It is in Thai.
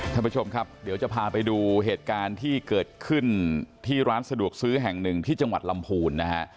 ท่านผู้ชมครับเดี๋ยวจะพาไปดูเหตุการณ์ที่เกิดขึ้นที่ร้านสะดวกซื้อแห่งหนึ่งที่จังหวัดลำพูนนะฮะ